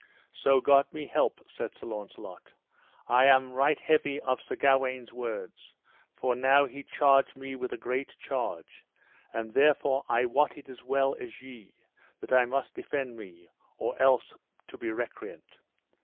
So God me help, said Sir Launcelot, I am right heavy of Sir Gawaine's words, for now he charged me with a great charge; and therefore I wot it as well as ye, that I must defend me, or else to be recreant.